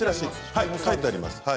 書いてあります。